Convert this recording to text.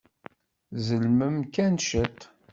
Tzelmem kan ciṭ.